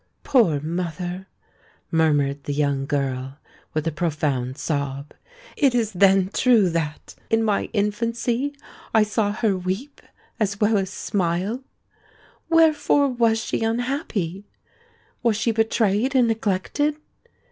"Poor mother!" murmured the young girl, with a profound sob: "it is then true that, in my infancy, I saw her weep as well as smile! Wherefore was she unhappy? Was she betrayed and neglected?